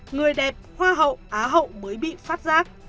người đẹp hoa hậu á hậu mới bị phát giác